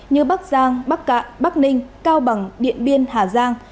như bắc giang bắc cạn bắc ninh cao bằng điện biên hà giang